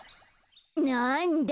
なんだ。